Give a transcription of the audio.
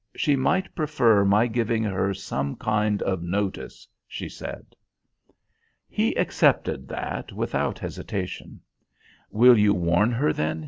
She might prefer my giving her some kind of notice," she said. He accepted that without hesitation. "Will you warn her then?"